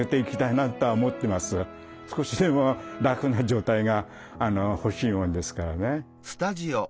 少しでも楽な状態がほしいものですからね。